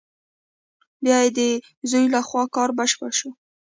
بیا یې د زوی له خوا کار بشپړ شو.